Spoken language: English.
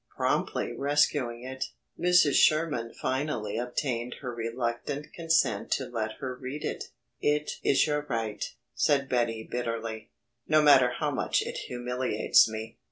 Promptly rescuing it, Mrs. Sherman finally obtained her reluctant consent to let her read it. "It is your right," said Betty bitterly, "no matter how much it humiliates me.